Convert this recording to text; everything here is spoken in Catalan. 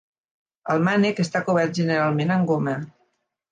El mànec està cobert generalment amb goma.